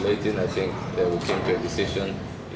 setelah menghitung saya pikir mereka akan membuat keputusan